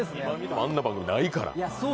あんな番組ないから。